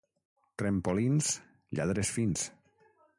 Trempolins, lladres fins.